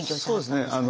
そうですね